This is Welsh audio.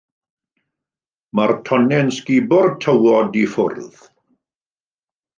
Mae'r tonnau yn sgubo'r tywod i ffwrdd.